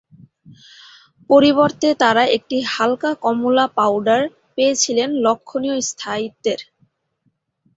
পরিবর্তে, তারা একটি হালকা কমলা পাউডার পেয়েছিলেন লক্ষণীয় স্থায়িত্বের।